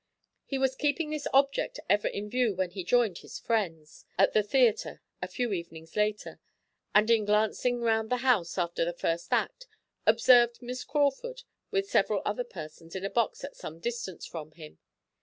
He was keeping this object ever in view when he joined his friends at the theatre a few evenings later, and in glancing round the house after the first act, observed Miss Crawford with several other persons in a box at some distance from him.